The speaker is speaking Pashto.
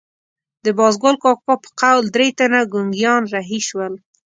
د بازګل کاکا په قول درې تنه ګونګیان رهي شول.